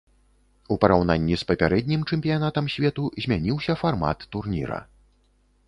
У параўнанні з папярэднім чэмпіянатам свету змяніўся фармат турніра.